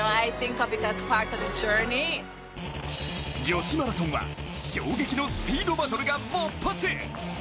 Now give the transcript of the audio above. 女子マラソンは衝撃のスピードバトルが勃発。